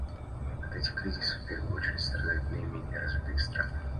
От этих кризисов в первую очередь страдают наименее развитые страны.